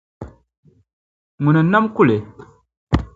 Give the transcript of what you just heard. Ŋuni n nam kuli?